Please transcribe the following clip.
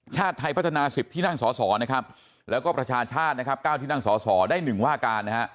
ชาติไทยพัฒนา๑๐ที่นั่งสอสอและประชาชาติ๙ที่นั่งสอสอได้๑ว่าการ